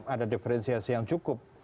ada diferensiasi yang cukup